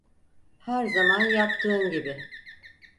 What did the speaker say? Her zaman yaptığın gibi.